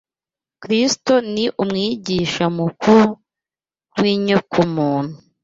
Kristo ni Umwigisha mukuru w’inyokomuntu